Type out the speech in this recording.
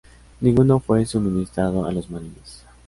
Ninguno fue suministrado a los Marines.